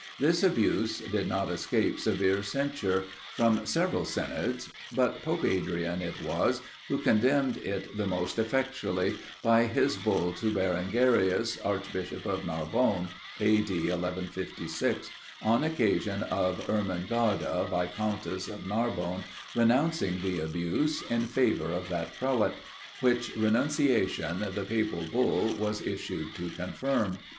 This abuse did not escape severe censure, from several synods. But Pope Adrian, it was, who condemned it the most effectually, by his bull to Berengarius, archbishop of Narbonne, (A. D. 1156,) on occasion of Ermengarda, Viscountess of Narbonne, renouncing the abuse in favour of that prelate, which renunciation, the papal bull was issued to confirm.